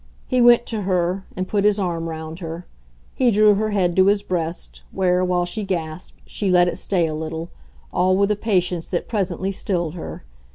He went to her and put his arm round her; he drew her head to his breast, where, while she gasped, she let it stay a little all with a patience that presently stilled her.